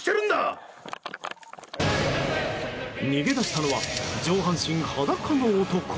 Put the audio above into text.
逃げ出したのは上半身裸の男。